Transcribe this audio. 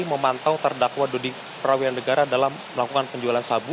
memantau terdakwa dodi prawian negara dalam melakukan penjualan sabu